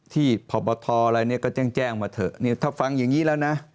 ที่พปอะไรก็แจ้งมาเถอะถ้าฟังอย่างนี้แล้วนะ